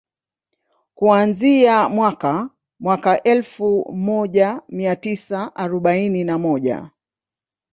kuanzia mwaka mwaka elfu moja mia tisa arobaini na moja